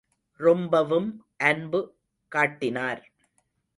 ரொம்பவும் அன்பு காட்டினார்.